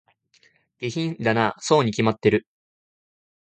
下品だなぁ、そうに決まってる